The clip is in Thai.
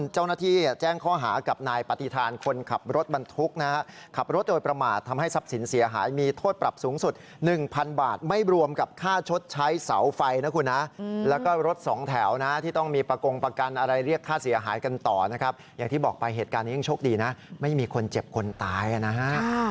ใจอย่างที่บอกไปเหตุการณยังโชคดีนะไม่มีคนเจ็บคนตายนะฮะ